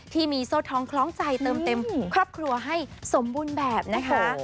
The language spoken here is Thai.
ที่มีโซ่ทองคล้องใจเติมเต็มครอบครัวให้สมบูรณ์แบบนะคะ